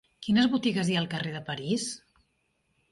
Quines botigues hi ha al carrer de París?